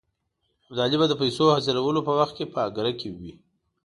ابدالي به د پیسو د حاصلولو په وخت کې په اګره کې وي.